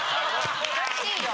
おかしいよ。